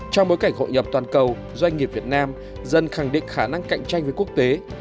trong bối cảnh hội nhập toàn cầu doanh nghiệp việt nam dần khẳng định khả năng cạnh tranh với quốc tế